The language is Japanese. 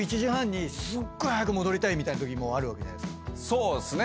そうっすね。